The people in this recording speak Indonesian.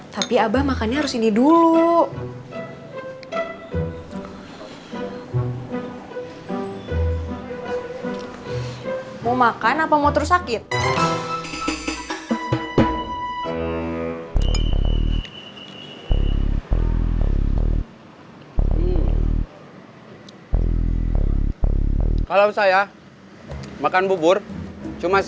tapi abah makannya harus ini dulu